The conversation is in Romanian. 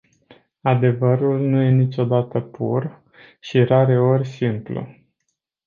Adevărul nu e niciodată pur și rareori simplu.